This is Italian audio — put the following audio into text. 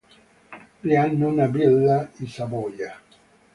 Vi hanno una villa i Savoia.